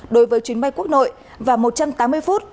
đối với chuyến bay quốc nội và một trăm tám mươi phút